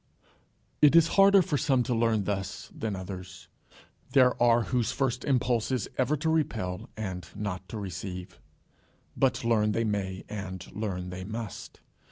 It is harder for some to learn thus than for others. There are whose first impulse is ever to repel and not to receive. But learn they may, and learn they must.